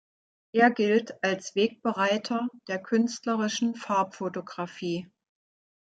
Er gilt als Wegbereiter der künstlerischen Farbfotografie.